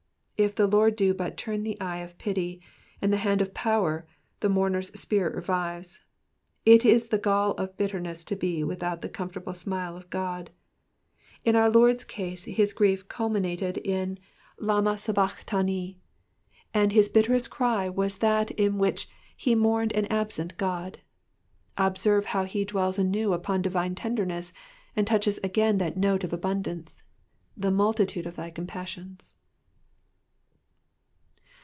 If the Lord do but turn the eye of pity, and the hand of power, the moumer^s spirit revives. It is the gall of bitterness to be without the comfortable smile of God ; in our Lord's case his j^ef culminated in Lama Sabachthani," and his bitterest cry was that in which he mourned an absent God. Observe how he dwells anew upon divine tenderness, and touches again that note of abun dance, The multitude of thy compassions.